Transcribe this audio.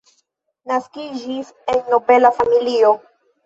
Naskiĝis en nobela familio.